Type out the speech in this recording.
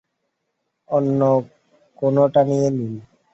অন্য কোনোটা নিয়ে নিন।